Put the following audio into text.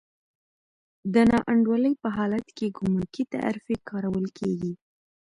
د نا انډولۍ په حالت کې ګمرکي تعرفې کارول کېږي.